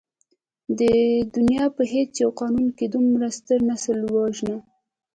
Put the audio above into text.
د دنيا په هېڅ يو قانون کې دومره ستر نسل وژنه.